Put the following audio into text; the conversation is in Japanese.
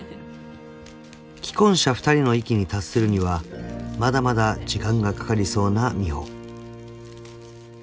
［既婚者２人の域に達するにはまだまだ時間がかかりそうな美帆］